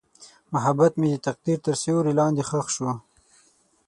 محبت مې د تقدیر تر سیوري لاندې ښخ شو.